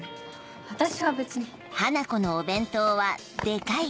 私は別に。